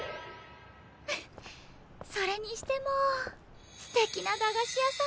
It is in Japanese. フフそれにしてもすてきな駄菓子屋さんだったな。